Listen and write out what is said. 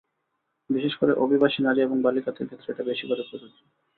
বিশেষ করে অভিবাসী নারী এবং বালিকাদের ক্ষেত্রে এটা বেশি করে প্রযোজ্য।